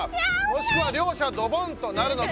もしくはりょうしゃドボンとなるのか。